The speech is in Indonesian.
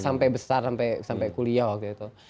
sampai besar sampai kuliah waktu itu